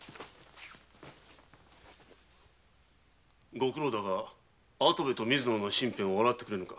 ご苦労だが跡部と水野の身辺を洗ってくれぬか。